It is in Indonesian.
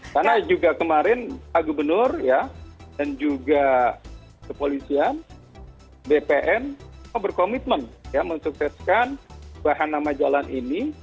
karena juga kemarin pak gubernur dan juga kepolisian bpn berkomitmen mensukseskan bahan nama jalan ini